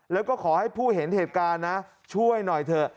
แล้วก็ขอให้ผู้เห็นเหตุการณ์นะช่วยหน่อยเถอะ